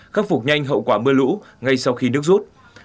khắc phục nhanh hậu quả mưa lũ ngay sau khi nước rút